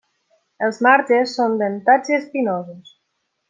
Els marges són dentats i espinosos.